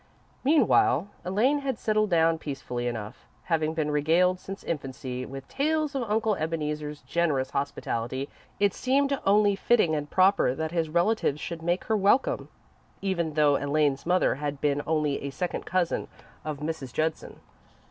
Meanwhile, Elaine had settled down peacefully enough. Having been regaled since infancy with tales of Uncle Ebeneezer's generous hospitality, it seemed only fitting and proper that his relatives should make her welcome, even though Elaine's mother had been only a second cousin of Mrs. Judson's.